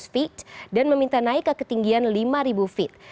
satu tujuh ratus feet dan meminta naik ke ketinggian lima feet